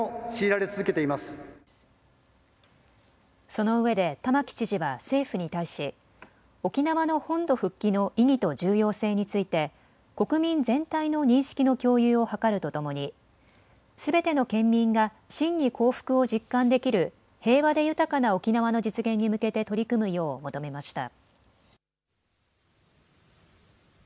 そのうえで玉城知事は政府に対し沖縄の本土復帰の意義と重要性について国民全体の認識の共有を図るとともにすべての県民が真に幸福を実感できる平和で豊かな沖縄の実現に向けて取り組むよう求めました。